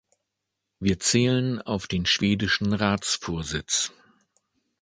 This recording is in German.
Wir zählen auf den schwedischen Ratsvorsitz.